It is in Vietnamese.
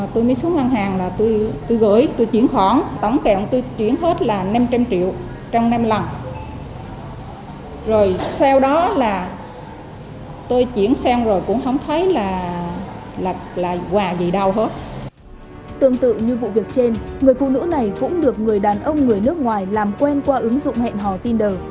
tương tự như vụ việc trên người phụ nữ này cũng được người đàn ông người nước ngoài làm quen qua ứng dụng hẹn hò tinder